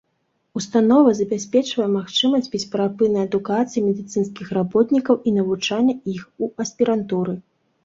Установа забяспечвае магчымасць бесперапыннай адукацыі медыцынскіх работнікаў і навучанне іх у аспірантуры.